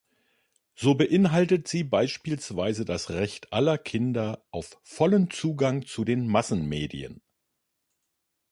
So beinhaltet sie beispielsweise das Recht aller Kinder auf vollen Zugang zu den Massenmedien.